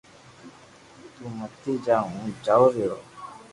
تو متي جا ھون جاو رھيو